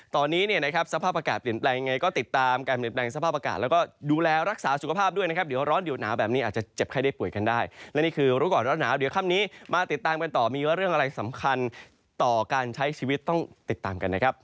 ตอนนี้เนี่ยนะครับสภาพอากาศเปลี่ยนแปลงไงก็ติดตาม